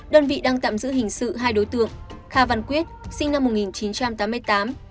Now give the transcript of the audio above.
đơn vị đang tạm giữ hình sự hai đối tượng kha văn quyết sinh năm một nghìn chín trăm tám mươi tám